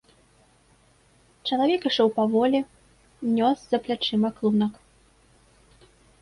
Чалавек ішоў паволі, нёс за плячыма клунак.